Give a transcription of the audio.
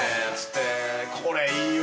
◆これ、いいわ。